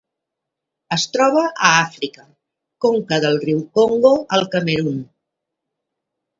Es troba a Àfrica: conca del riu Congo al Camerun.